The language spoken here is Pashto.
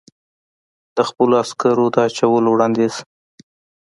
د خپلو عسکرو د اچولو وړاندیز.